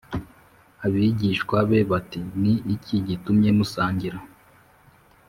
abigishwa be bati Ni iki gitumye musangira